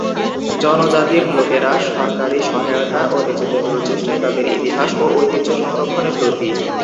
জনজাতির লোকেরা সরকারী সহায়তা ও নিজেদের প্রচেষ্টায় তাদের ইতিহাস ও ঐতিহ্য সংরক্ষণে ব্রতী।